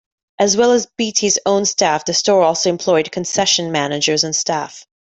As well as Beatties own staff the store also employed concession managers and staff.